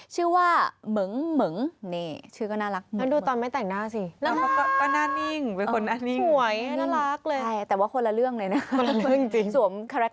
เข้าไปได้เต็มบทบาทจริงนะครับ